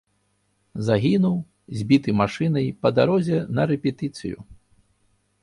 Загінуў, збіты машынай па дарозе на рэпетыцыю.